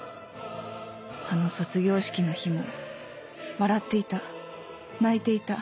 あの卒業式の日も笑っていた泣いていた